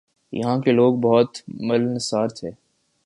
یہاں کے لوگ بہت ملنسار تھے ۔